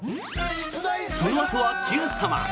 そのあとは「Ｑさま！！」。